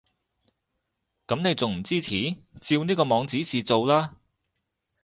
噉你仲唔支持？照呢個網指示做啦